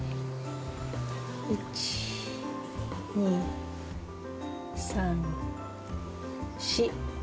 １２３４。